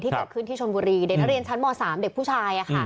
ที่แก่ขึ้นที่ชนบุรีในอาเรียนชั้นบ๓เด็กผู้ชาย